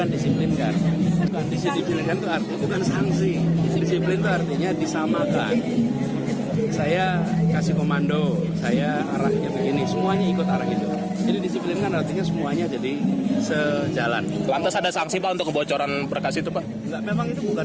disiplinan organisasi belum ada perintah jangan lakukan sesuatu